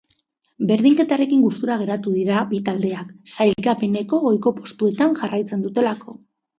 Berdinketarekin gustura geratu dira bi taldeak, sailkapeneko goiko postuetan jarraitzen dutelako.